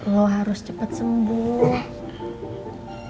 lo harus cepet sembuh